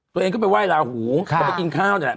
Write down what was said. ตัวเองก็ไปไห้ลาหูก็ไปกินข้าวนี่แหละ